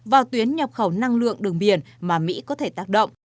vào tuyến nhập khẩu năng lượng đường biển mà mỹ có thể tác động